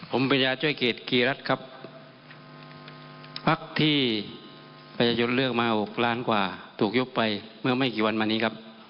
ผมพระเจ้าจ้อยเกตกีฤทธิ์ครับภักดิ์ที่ประยะยนต์เลือกมา๖ล้านกว่าถูกยกไปเมื่อไม่กี่วันมานี้ครับ